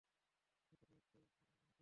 মৃতদের তো আর অনুভূতি নেই!